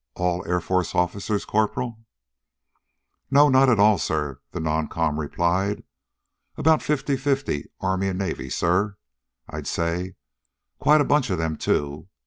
"All Air Forces officers, Corporal?" "No, not all, sir," the non com replied. "About fifty fifty Army and Navy, sir, I'd say. Quite a bunch of them, too.